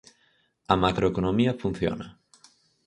A macroeconomía funciona.